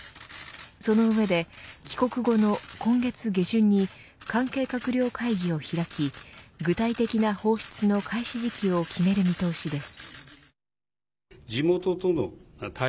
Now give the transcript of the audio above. その上で、帰国後の今月下旬に関係閣僚会議を開き具体的な放出の開始時期を決める見通しです。